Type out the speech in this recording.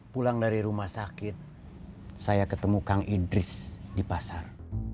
pulang dari rumah sakit saya ketemu kang idris di pasar